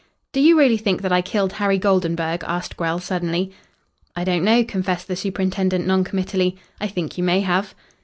"Do you really think that I killed Harry Goldenburg?" asked Grell suddenly. "I don't know," confessed the superintendent non committally. "I think you may have."